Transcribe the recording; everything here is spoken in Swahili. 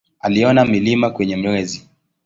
Aliona milima kwenye Mwezi.